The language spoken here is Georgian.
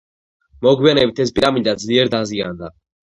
მოგვიანებით ეს პირამიდა ძლიერ დაზიანდა.